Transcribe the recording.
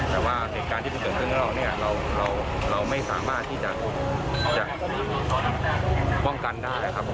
แต่ว่าเหตุการณ์ที่เกิดขึ้นขึ้นแล้วเราไม่สามารถที่จะป้องกันได้ครับ